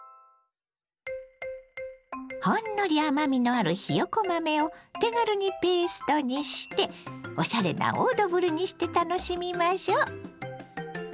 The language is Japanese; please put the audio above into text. ほんのり甘みのあるひよこ豆を手軽にペーストにしておしゃれなオードブルにして楽しみましょう。